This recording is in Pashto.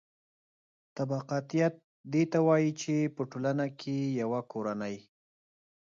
طبقاتیت دې ته وايي چې په ټولنه کې یوه کورنۍ